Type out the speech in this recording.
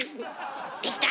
できた？